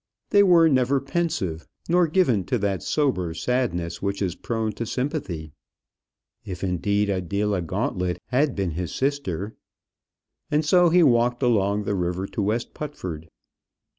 They were never pensive, nor given to that sober sadness which is prone to sympathy. If, indeed, Adela Gauntlet had been his sister ! And so he walked along the river to West Putford.